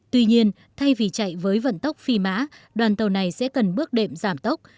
tuy nhiên thay vì chạy với vận tốc phi mã đoàn tàu này sẽ cần bước đệm giảm tốc